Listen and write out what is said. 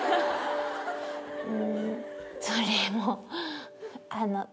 うんそれもあの。